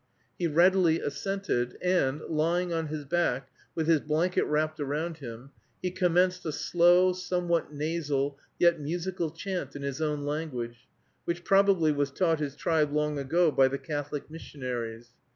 He readily assented, and, lying on his back, with his blanket wrapped around him, he commenced a slow, somewhat nasal, yet musical chant, in his own language, which probably was taught his tribe long ago by the Catholic missionaries.